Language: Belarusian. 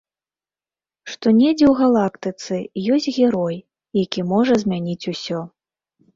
Што недзе ў галактыцы ёсць герой, які можа змяніць усё.